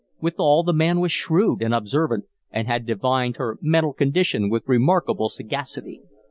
Withal, the man was shrewd and observant and had divined her mental condition with remarkable sagacity.